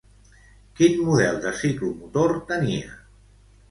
Quin model de ciclomotor tenia?